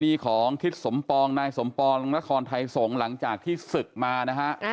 ของทิศสมปองนายสมปองนครไทยสงฆ์หลังจากที่ศึกมานะฮะ